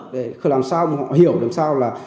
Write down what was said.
để làm sao họ hiểu làm sao là